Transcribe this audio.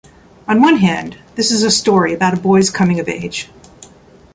On one hand, this is a story about a boy's coming of age.